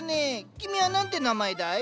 君は何て名前だい？